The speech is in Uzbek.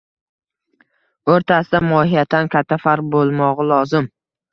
– o‘rtasida mohiyatan katta farq bo‘lmog‘i lozim.